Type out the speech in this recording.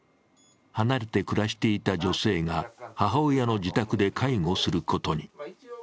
離れて暮らしていた女性が母親の自宅で介護することに。